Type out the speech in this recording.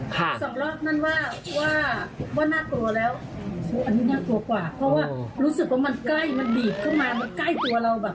สำหรับนั้นว่าว่าน่ากลัวแล้วอันนี้น่ากลัวกว่าเพราะว่ารู้สึกว่ามันใกล้มันดีดเข้ามามันใกล้ตัวเราแบบ